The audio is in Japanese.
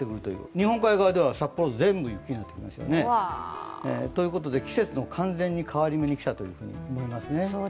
日本海側では全部雪になってますね。ということで、季節の完全の変わり目に来たと言えますね。